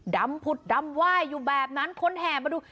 ดำพุดดำว่ายอยู่แบบนั้นคนแทนมาดู